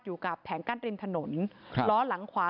กับแผงกั้นริมถนนล้อหลังขวา